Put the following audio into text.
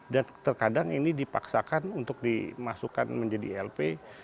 dan terkadang ini dipaksakan untuk dimasukkan menjadi lp